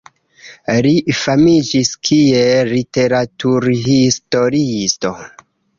Li famiĝis kiel literaturhistoriisto.